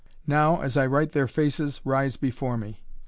Now as I write their faces rise before me.